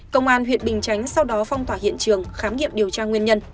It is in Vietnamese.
công an huyện bình chánh sau đó phong tỏa hiện trường khám nghiệm điều tra nguyên nhân